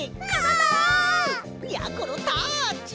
やころタッチ！